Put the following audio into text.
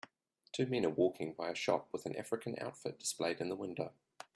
Two men are walking by a shop with an african outfit displayed in the window.